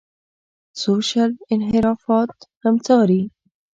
سوشل انحرافات هم څاري.